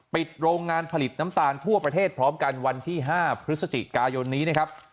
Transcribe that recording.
ปิดโรงงานผลิตน้ำตาลทั่วประเทศพร้อมกันวันที่๕พฤศจิกายนนี้นะครับ